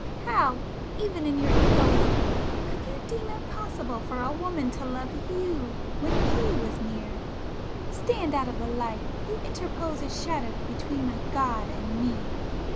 How, even in your egoism, could you deem it possible for a woman to love you when he was near! Stand out of the light!—you interpose a shadow between my god and me!"